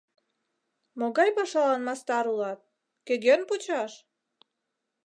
— Могай пашалан мастар улат: кӧгӧн почаш?